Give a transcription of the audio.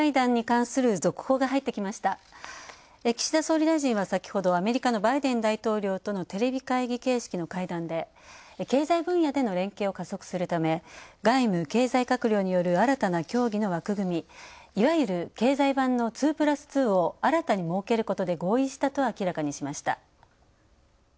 岸田総理大臣は先ほどアメリカのバイデン大統領とのテレビ会議形式の会談で経済分野での連携を加速するため外務・経済閣僚による新たな協議の枠組みいわゆる経済版の２プラス２を新たに設けることで合意したと明らかにしました。